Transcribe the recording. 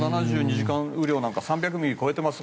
７２時間雨量なんかは３００ミリを超えています。